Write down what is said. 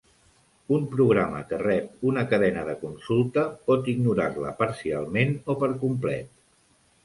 Un programa que rep una cadena de consulta pot ignorar-la parcialment o per complet.